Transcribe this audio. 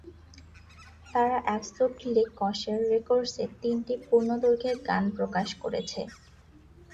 তারা অ্যাবসুলটলি কশের রেকর্ডস-এ তিনটি পূর্ণ দৈর্ঘ্যের গান প্রকাশ করেছে।